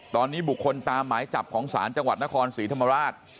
ตอนนี้บุคคลตามหมายจับของศาลจังหวัดนครศรีธรรมราช